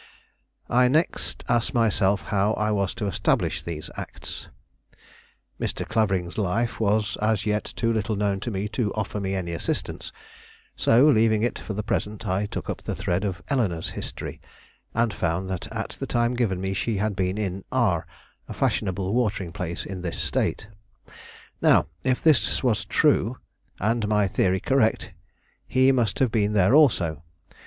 I next asked myself how I was to establish these facts. Mr. Clavering's life was as yet too little known to me to offer me any assistance; so, leaving it for the present, I took up the thread of Eleanore's history, and found that at the time given me she had been in R , a fashionable watering place in this State. Now, if his was true, and my theory correct, he must have been there also.